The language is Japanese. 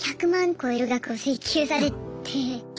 超える額を請求されて。